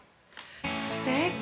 すてき！